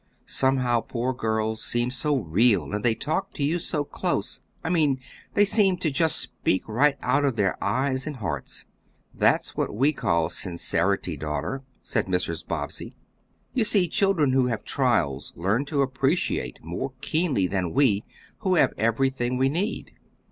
Somehow, poor girls seem so real and they talk to you so close I mean they seem to just speak right out of their eyes and hearts." "That's what we call sincerity, daughter," said Mrs. Bobbsey. "You see, children who have trials learn to appreciate more keenly than we, who have everything we need.